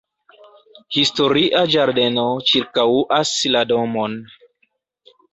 Historia ĝardeno ĉirkaŭas la domon.